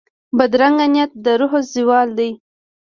بدرنګه نیت د روح زوال وي